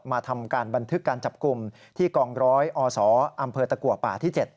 ทำการบันทึกการจับกลุ่มที่กองร้อยอศอำเภอตะกัวป่าที่๗